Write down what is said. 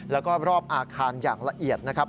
แล้วก็รอบอาคารอย่างละเอียดนะครับ